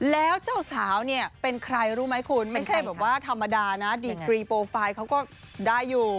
แล้วเจ้าสาวเนี่ยเป็นใครรู้ไหมคุณไม่ใช่แบบว่าธรรมดานะดีกรีโปรไฟล์เขาก็ได้อยู่